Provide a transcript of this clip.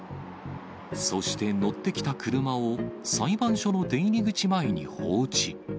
そして乗ってきた車を、裁判所の出入り口前に放置。